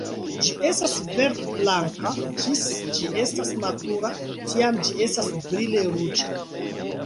Ĝi estas verd-blanka ĝis ĝi estas matura, tiam ĝi estas brile ruĝa.